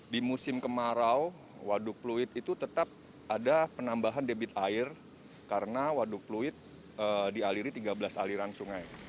di musim kemarau waduk fluid itu tetap ada penambahan debit air karena waduk fluid dialiri tiga belas aliran sungai